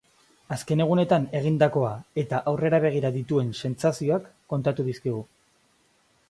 Azken egunetan egindakoa eta aurrera begira dituen sentsazioak kontatu dizkigu.